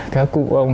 các cụ ông